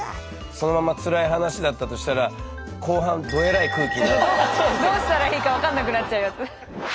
そのまんま辛い話だったとしたら後半どうしたらいいか分かんなくなっちゃうやつ。